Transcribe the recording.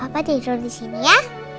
papa tidur disini ya